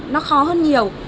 nó khó hơn nhiều